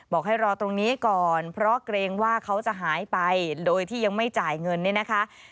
บอกให้รอตรงนี้ก่อนเพราะเกรงว่าเขาจะหายไปโดยที่ยังไม่จ่ายเงินเนี่ยนะคะ